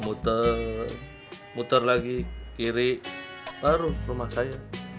muter muter lagi kiri baru rumah saya